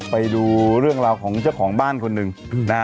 ไปดูเรื่องราวของเจ้าของบ้านคนหนึ่งนะฮะ